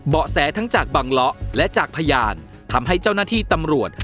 แสทั้งจากบังเลาะและจากพยานทำให้เจ้าหน้าที่ตำรวจ